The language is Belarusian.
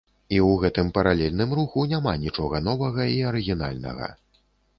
І ў гэтым паралельным руху няма нічога новага і арыгінальнага.